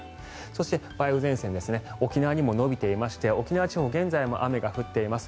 そして梅雨前線沖縄にも延びていまして沖縄地方現在でも雨が降っています。